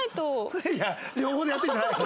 いやいや両方でやってるんじゃないよ。